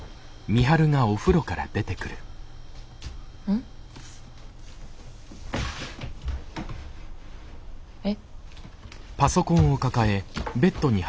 ん？え？